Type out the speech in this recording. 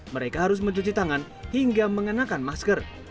mereka harus mencuci tangan hingga mengenakan masker